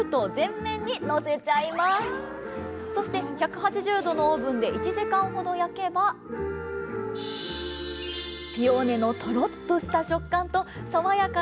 そして１８０℃のオーブンで１時間ほど焼けばピオーネのトロッとした食感とさわやかな酸味と甘みを味わう